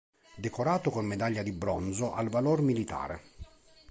Decorato con medaglia di bronzo al Valor Militare.